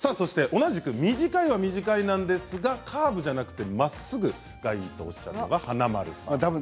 同じく短いは短いなんですがカーブじゃなくてまっすぐがいいとおっしゃるのは華丸さん。